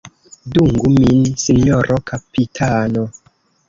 Dungu min sinjoro kapitano!